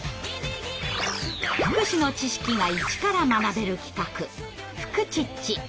福祉の知識がイチから学べる企画「フクチッチ」。